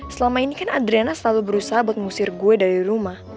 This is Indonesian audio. selama ini kan adrena selalu berusaha buat mengusir gue dari rumah